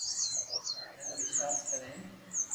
ھين وݾواس ڪر ھين